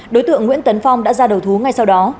đối tượng nguyễn tấn phong đã ra đầu thú ngay sau đó